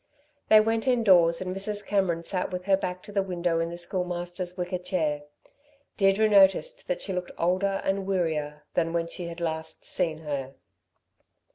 They went indoors and Mrs. Cameron sat with her back to the window in the Schoolmaster's wicker chair. Deirdre noticed that she looked older and wearier than when she had last seen her.